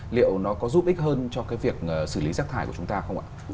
liệu nó có giúp ích hơn cho cái việc xử lý rác thải của chúng ta không ạ